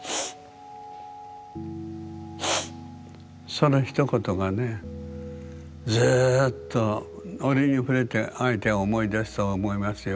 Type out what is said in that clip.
そのひと言がねずっと折に触れて相手は思い出すと思いますよ